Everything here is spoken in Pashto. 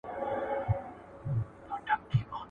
• چي وائې ورې، ووايه، چي وې وينې، مه وايه.